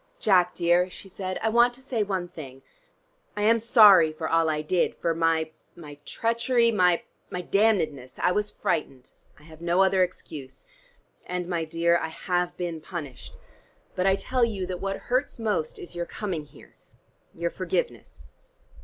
"Jack dear," she said, "I want to say one thing. I am sorry for all I did, for my my treachery, my my damnedness. I was frightened: I have no other excuse. And, my dear, I have been punished. But I tell you, that what hurts most is your coming here your forgiveness."